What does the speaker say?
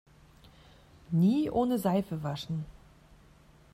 Nie ohne Seife waschen!